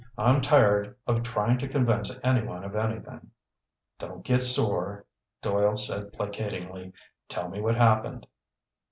"I'm tired of trying to convince anyone of anything." "Don't get sore," Doyle said placatingly. "Tell me what happened."